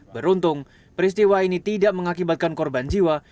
beruntung peristiwa ini tidak mengakibatkan korban jiwa